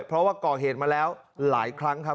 เพราะว่าก่อเหตุมาแล้วหลายครั้งครับ